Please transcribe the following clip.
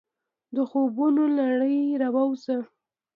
د خوبونو له نړۍ راووځه !